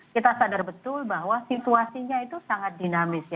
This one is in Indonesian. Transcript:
kita sadar betul bahwa situasinya itu sangat dinamis